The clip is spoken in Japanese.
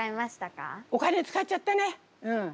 お金使っちゃったねうん。